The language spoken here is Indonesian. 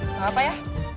gak apa apa ya